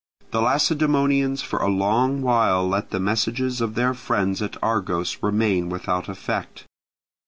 The Lacedaemonians for a long while let the messages of their friends at Argos remain without effect.